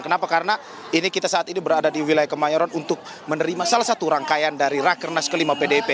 kenapa karena ini kita saat ini berada di wilayah kemayoran untuk menerima salah satu rangkaian dari rakernas kelima pdp